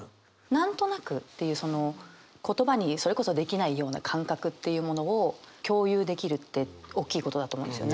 何となくっていうその言葉にそれこそできないような感覚というものを共有できるっておっきいことだと思うんですよね。